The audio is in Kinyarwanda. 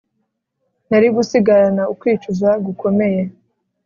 narigusigarana ukwicuza gukomeye